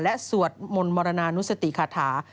และสวดมนต์มรณานุสติคาถา